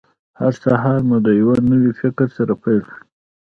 هر سهار مو د یوه نوي فکر سره پیل کړئ.